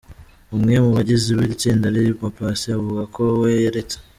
Umwe mu bagize iri tsinda ari we Paccy avuga ko we yaretse.